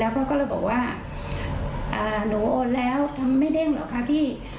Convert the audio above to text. เขาก็เลยบอกว่าหนูโอนแล้วไม่เด้งเหรอคะพี่